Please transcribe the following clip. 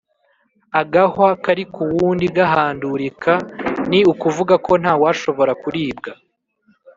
agahwa kari ku wundi gahandurika- ni ukuvuga ko ntawashobora kuribwa